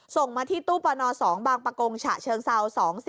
ส่งมาที่ตู้ประนอ๒บางประกงฉะเชิงเศร้า๒๔๑๓๐